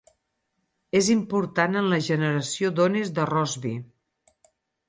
És important en la generació d'ones de Rossby.